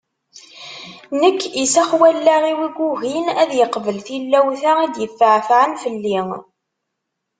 Nekk isax wallaɣ-iw yugin ad yeqbel tilawt-a i d-yefɛefɛen fell-i.